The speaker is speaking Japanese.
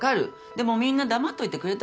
でもみんな黙っといてくれたんや。